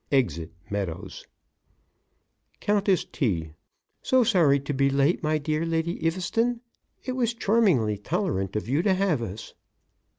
(Exit Meadows) COUNTESS T.: So sorry to be late, my dear Lady Eaveston. It was charmingly tolerant of you to have us.